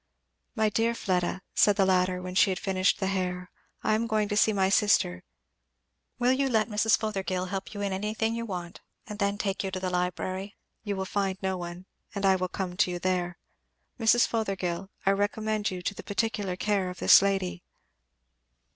"My dear Fleda," said the latter when she had finished the hair, "I am going to see my sister will you let Mrs. Fothergill help you in anything you want, and take you then to the library you will find no one, and I will come to you there. Mrs. Fothergill, I recommend you to the particular care of this lady."